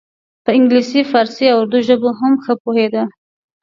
په انګلیسي پارسي او اردو ژبو هم ښه پوهیده.